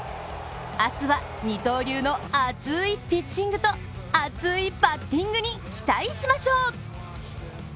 明日は二刀流の熱いピッチングと熱いバッティングに期待しましょう。